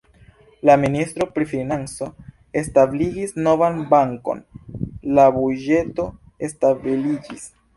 La ministro pri financo establis novan bankon, la buĝeto stabiliĝis.